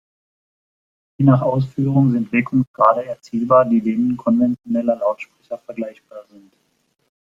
Je nach Ausführung sind Wirkungsgrade erzielbar, die denen konventioneller Lautsprecher vergleichbar sind.